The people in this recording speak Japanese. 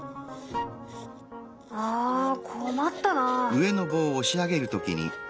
ああ困ったな。